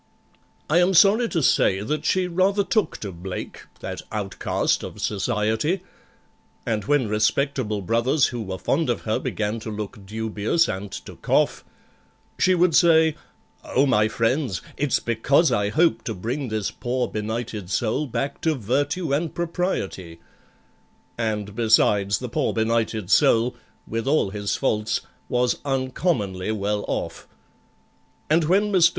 I am sorry to say that she rather took to BLAKE—that outcast of society, And when respectable brothers who were fond of her began to look dubious and to cough, She would say, "Oh, my friends, it's because I hope to bring this poor benighted soul back to virtue and propriety," And besides, the poor benighted soul, with all his faults, was uncommonly well off. And when MR.